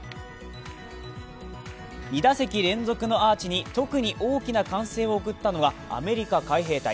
２打席連続のアーチに特に大きな歓声を送ったのはアメリカ海兵隊。